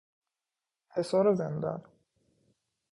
حصار زندان